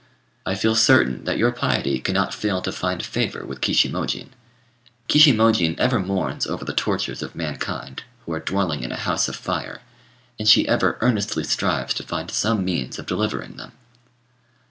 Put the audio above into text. "I feel certain that your piety cannot fail to find favour with Kishimojin. Kishimojin ever mourns over the tortures of mankind, who are dwelling in a house of fire, and she ever earnestly strives to find some means of delivering them.